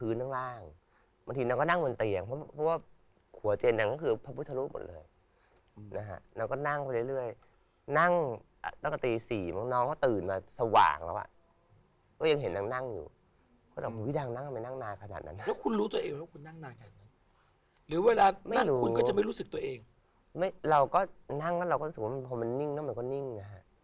เราก็นั่งแล้วเราก็รู้สึกว่าพอมันนิ่งแล้วมันก็นิ่งนะฮะ